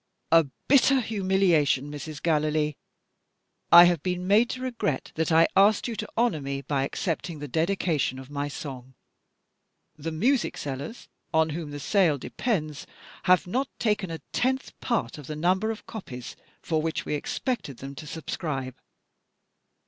"A bitter humiliation, Mrs. Gallilee! I have been made to regret that I asked you to honour me by accepting the dedication of my Song. The music sellers, on whom the sale depends, have not taken a tenth part of the number of copies for which we expected them to subscribe.